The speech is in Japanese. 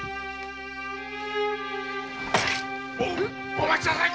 お待ちください